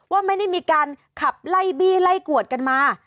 ว่าไม่ได้มีการขับไล่บี้ไล่กวดกันมา